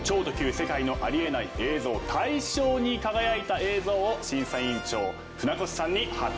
世界のありえない映像大賞に輝いた映像を審査委員長船越さんに発表していただきます。